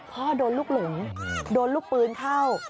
พ่อโดนลูกหลงโดนลูกปืนเข้า